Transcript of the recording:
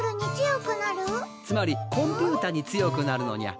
つまりコンピューターに強くなるのにゃ。